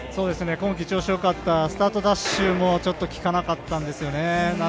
今季調子よかったスタートダッシュもちょっと聞かなかったんですよね。